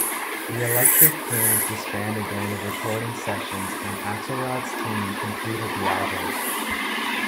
The Electric Prunes disbanded during the recording sessions and Axelrod's team completed the albums.